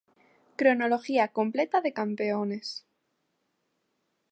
Cronología completa de campeones